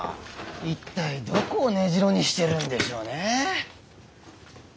一体どこを根城にしてるんでしょうね？